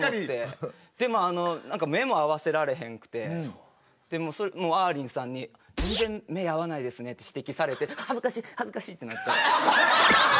でもあの何か目も合わせられへんくてあーりんさんに「全然目合わないですね」って指摘されて「はずかしはずかし！」ってなっちゃう。